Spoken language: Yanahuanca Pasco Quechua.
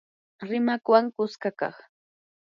rimaqwan kuska kaq